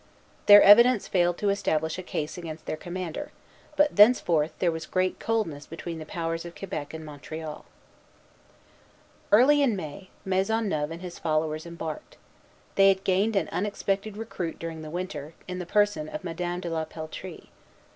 Their evidence failed to establish a case against their commander; but thenceforth there was great coldness between the powers of Quebec and Montreal. Early in May, Maisonneuve and his followers embarked. They had gained an unexpected recruit during the winter, in the person of Madame de la Peltrie.